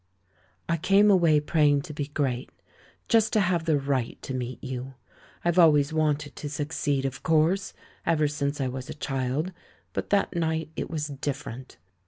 "I came away praying to be great, just to have the right to meet you. I've always wanted to succeed, of course — ever since I was a child; but that night it was different.